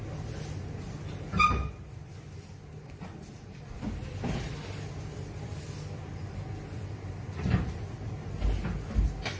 ออกเพื่อแม่นักกับข้าว